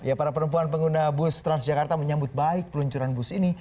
ya para perempuan pengguna bus transjakarta menyambut baik peluncuran bus ini